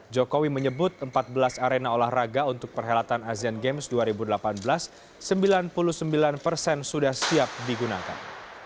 jokowi menyebut empat belas arena olahraga untuk perhelatan asean games dua ribu delapan belas sembilan puluh sembilan persen sudah siap digunakan